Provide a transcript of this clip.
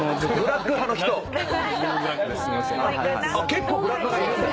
結構ブラック派いるんだ。